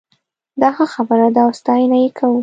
دا ښه خبره ده او ستاينه یې کوو